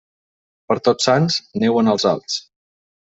Per Tots Sants, neu en els alts.